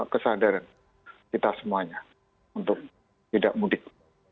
kesadaran kita semuanya untuk tidak mudik